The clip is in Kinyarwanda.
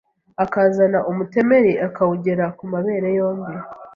akazana umutemeri akawugera ku mabere yombi